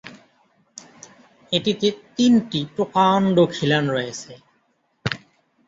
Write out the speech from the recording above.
এটিতে তিনটি প্রকাণ্ড খিলান রয়েছে।